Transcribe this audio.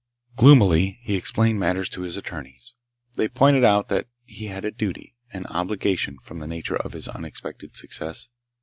Gloomily, he explained matters to his attorneys. They pointed out that he had a duty, an obligation, from the nature of his unexpected success.